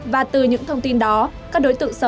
và từ những thông tin đó các đối tượng xấu